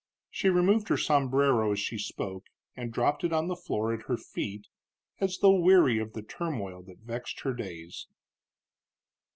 She removed her sombrero as she spoke, and dropped it on the floor at her feet, as though weary of the turmoil that vexed her days.